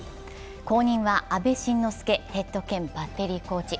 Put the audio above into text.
後任は阿部慎之助ヘッド兼バッテリーコーチ。